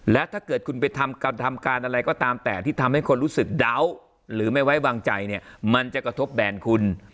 และถ้าเกิดคุณไปทำการอะไรก็ตามแต่ที่ทำให้คนรู้สึกเดาหรือไม่ไว้วางใจเนี่ยมันจะกระทบแบนคุณ